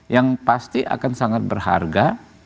yang pasti akan sangat berharga